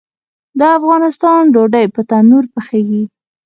د افغانستان ډوډۍ په تندور پخیږي